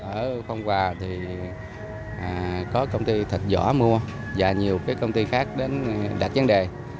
ở phong hòa thì có công ty thật rõ mua và nhiều công ty khác đến đặt vấn đề